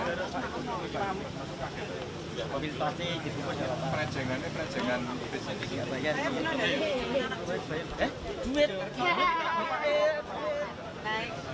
cercah sama rumah youtube dan aplikasi bantuanabsorption hearing rolls